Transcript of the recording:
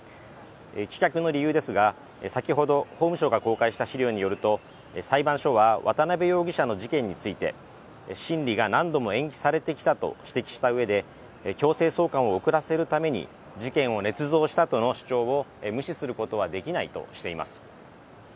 棄却の理由ですが先ほど、法務省が公開した資料によると裁判所は渡辺容疑者の事件について審理が何度も延期されてきたと指摘したうえで強制送還を遅らせるために事件をねつ造したとの主張を無視することはできないとしています。